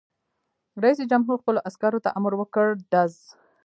رئیس جمهور خپلو عسکرو ته امر وکړ؛ ډز!